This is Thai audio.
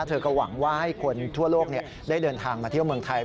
เธอก็หวังว่าให้คนทั่วโลกได้เดินทางมาเที่ยวเมืองไทย